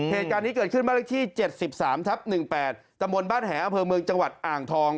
เหตุการณ์นี้เกิดขึ้นบ้านเลขที่๗๓ทับ๑๘ตะมนต์บ้านแหอำเภอเมืองจังหวัดอ่างทอง